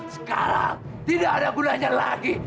sekarang tidak ada gulanya lagi